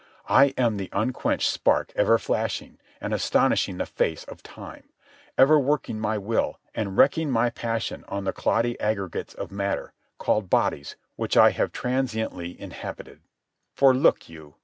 I am the unquenched spark ever flashing and astonishing the face of time, ever working my will and wreaking my passion on the cloddy aggregates of matter, called bodies, which I have transiently inhabited. For look you.